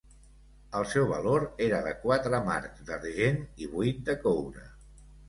El seu valor era de quatre marcs d'argent i vuit de coure.